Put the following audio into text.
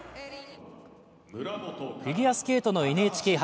フィギュアスケートのＮＨＫ杯。